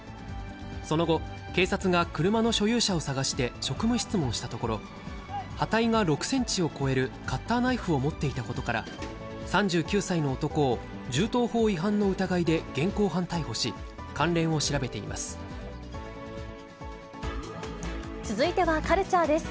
その後、警察が車の所有者を捜して職務質問したところ、刃体が６センチを超えるカッターナイフを持っていたことから、３９歳の男を銃刀法違反の疑いで現行犯逮捕し、関連を調べていま続いてはカルチャーです。